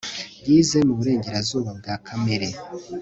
yize muburenganzira bwa kamere